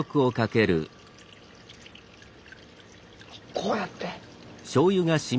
こうやって。